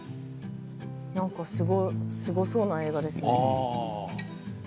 なんかすごそうな映画ですね。